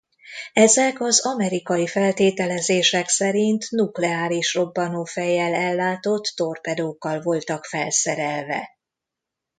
Ezek az amerikai feltételezések szerint nukleáris robbanófejjel ellátott torpedókkal voltak felszerelve.